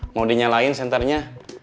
mau dinyalain senternya